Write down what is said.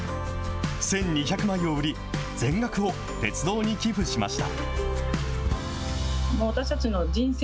１２００枚を売り、全額を鉄道に寄付しました。